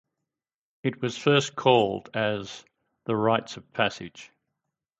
It was first called as "The Rites of Passage".